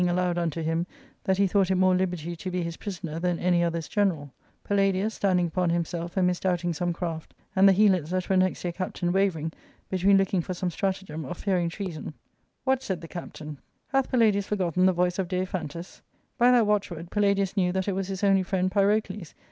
aloud unto him, tliai "heiKought it more liberty to be his prisoner thanany other's general Palladius, standing upon himself, and misdoubting some craft, and the Helots that were next their captain wavering between looking for some stratagem or fearing treason, "What," said the captaiijfj^ •* hath Palladius forgotten the voice of Daiphantus ?". By that watchword Palladius knew that it was his only friend Pyrpcles.